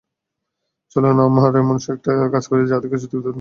চলুন আমরা এমন একটি কাজ করি যা থেকে সঠিক তথ্য বের হয়ে আসবে।